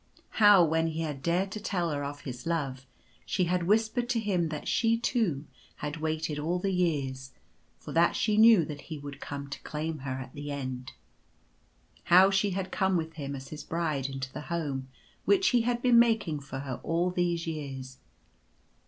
How when he had dared to tell her of his love she had whispered to him that she, too, had waited all the years, for that she knew that he would come to claim her at the end. How she had come with him as his bride into the home which he had been making for her all these years.